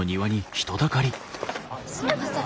すみません。